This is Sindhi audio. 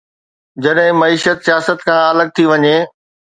جڏهن معيشت سياست کان الڳ ٿي وڃي.